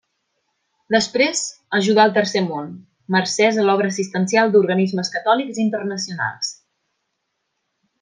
Després ajudà al Tercer Món mercès a l'obra assistencial d'organismes catòlics internacionals.